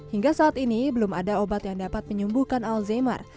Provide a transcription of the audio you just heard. hingga saat ini belum ada obat yang dapat menyembuhkan alzheimer